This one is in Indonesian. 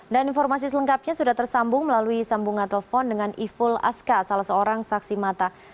dan informasi selengkapnya sudah tersambung melalui sambungan telepon dengan iful aska salah seorang saksi mata